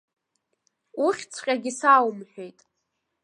Ухьӡҵәҟьагьы соумҳәеит!